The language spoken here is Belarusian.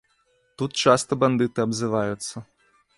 Тут часта бандыты абзываюцца.